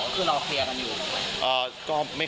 คือเราเคลียร์กันอยู่